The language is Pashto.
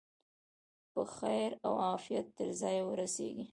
په خیر او عافیت تر ځایه ورسیږي.